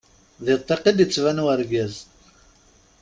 Di ṭṭiq i d-ittban wergaz.